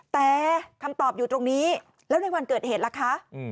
แต่คำตอบอยู่ตรงนี้แล้วในวันเกิดเหตุล่ะคะ